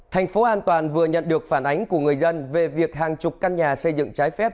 thành phố an toàn vừa nhận được phản ánh của người dân về việc hàng chục căn nhà xây dựng trái phép